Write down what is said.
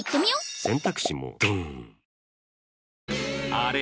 あれ？